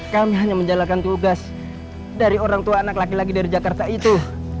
kami hanya menjalankan tugas dari orang tua anak laki laki dari jakarta itu